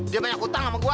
dia banyak hutang sama gue